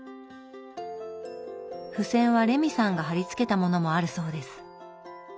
付箋はレミさんが貼り付けたものもあるそうです。